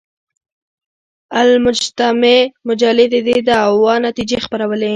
المجتمع مجلې د دې دعوې نتیجې خپرولې.